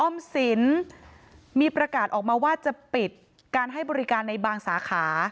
ออมสินมีประกาศออกมาว่าจะปิดการให้บริการในบางสาขา